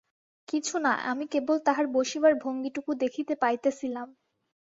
কিছু না, আমি কেবল তাহার বসিবার ভঙ্গিটুকু দেখিতে পাইতেছিলাম।